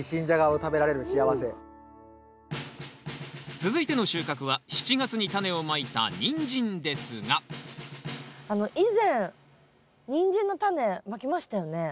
続いての収穫は７月にタネをまいたニンジンですが以前ニンジンのタネまきましたよね？